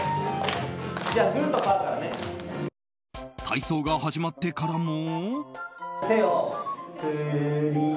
体操が始まってからも。